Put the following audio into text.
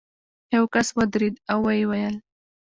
یو کس ودرېد او ویې ویل.